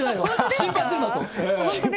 心配するなと。